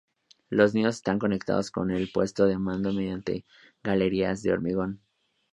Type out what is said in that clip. Los nidos están conectados con el puesto de mando mediante galerías de hormigón.